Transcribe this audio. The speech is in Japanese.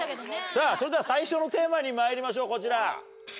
それでは最初のテーマにまいりましょうこちら。